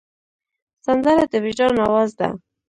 سندره د وجدان آواز ده